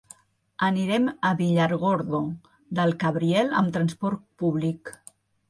Anirem a Villargordo del Cabriel amb transport públic.